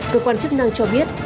cơ quan chức năng cho biết